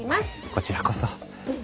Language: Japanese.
こちらこそ。